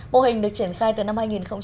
mô hình được triển khai từ năm hai nghìn một mươi